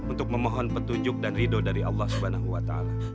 untuk memohon petunjuk dan ridho dari allah swt